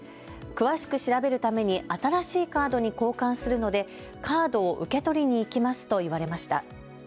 詳しく調べるために新しいカードに交換するのでカードを受け取りに行きますと言われました。